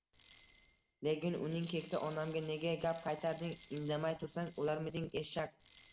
Lekin, uning keksa onamga nega gap qaytarding, indamay tursang o`larmiding, eshak